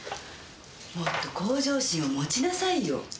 もっと向上心を持ちなさいよ。